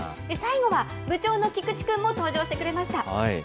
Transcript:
最後は部長の菊地君も登場してくれました。